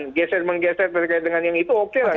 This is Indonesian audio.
geser menggeser terkait dengan yang itu oke lah